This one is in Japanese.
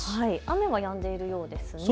雨はやんでいるようです。